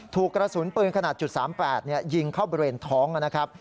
ถูกกระสุนปืนขนาด๓๘ยิงเข้าบริเวณท้องนะครับ